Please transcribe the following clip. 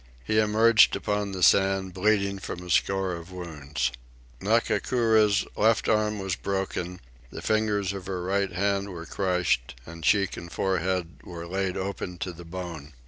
He emerged upon the sand, bleeding from a score of wounds. Ngakura's left arm was broken; the fingers of her right hand were crushed; and cheek and forehead were laid open to the bone.